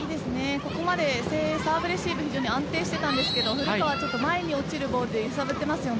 ここまで誠英、サーブレシーブ非常に安定していたんですが前に落ちるボールで揺さぶっていますよね。